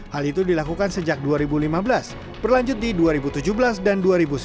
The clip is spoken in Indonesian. hal itu dilakukan sejak dua ribu lima belas berlanjut di dua ribu tujuh belas dan dua ribu sembilan belas